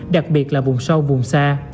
đặc biệt là vùng sâu vùng xa